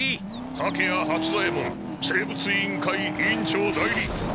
竹谷八左ヱ門生物委員会委員長代理。